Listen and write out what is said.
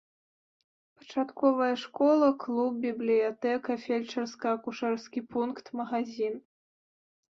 Пачатковая школа, клуб, бібліятэка, фельчарска акушэрскі пункт, магазін.